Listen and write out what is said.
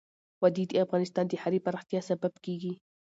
وادي د افغانستان د ښاري پراختیا سبب کېږي.